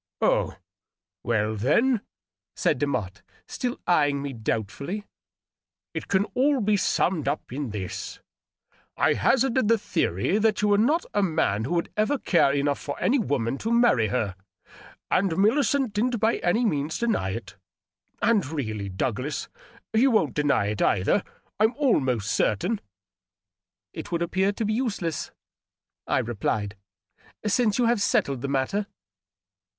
" Oh, well, then," said Demotte, still eying me doubtfully, " it can all be summed up in this : I hazarded the theory that you were not a man who would ever care enough for any woman to marry her, and Millicent didn't by any means deny it. And really, Douglas, you won't deny it, either, I'm almost certain," " It would appear to be useless," I replied, " since you have settled the matter."